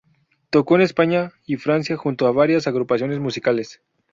Tocó en España y Francia junto a varias agrupaciones musicales.